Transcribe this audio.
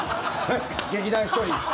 劇団ひとり。